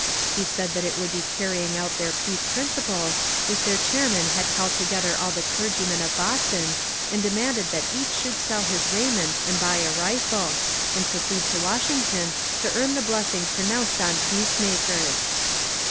He said that it would be carrying out their peace principles if their chairman had called together all the clergymen of Boston and demanded that each should sell his raiment and buy a rifle, and proceed to Washington to earn the blessing pronounced on peace makers.